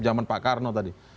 zaman pak karno tadi